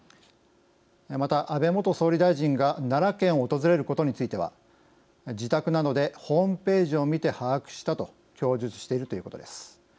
また、安倍元総理大臣が奈良県を訪れることについては自宅などでホームページを見て把握したと供述しているということです。